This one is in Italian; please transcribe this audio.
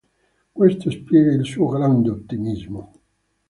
Questo spiega il suo grande ottimismo.